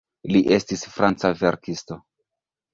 Li estis franca verkisto.